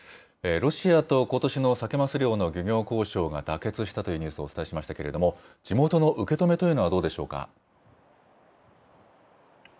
ロシアと、ことしのサケ・マス漁の漁業交渉が妥結したというニュースをお伝えしましたけれども、地元の受け止めというのはどうでしょうか。